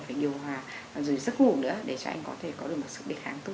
phải điều hòa rồi giấc ngủ nữa để cho anh có thể có được một sức đề kháng tốt